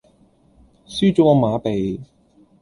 輸左個馬鼻